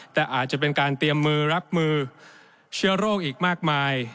แต่อาจจะเป็นการเตรียมมือรับมือเชื้อโรคอีกมากมาย